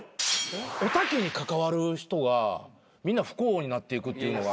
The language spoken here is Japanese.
おたけに関わる人がみんな不幸になっていくっていうのが。